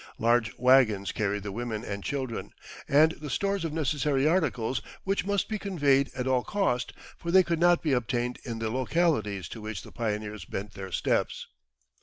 Large waggons carried the women and children, and the stores of necessary articles, which must be conveyed at all cost, for they could not be obtained in the localities to which the pioneers bent their steps.